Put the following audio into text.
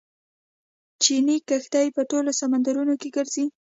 چیني کښتۍ په ټولو سمندرونو کې ګرځي.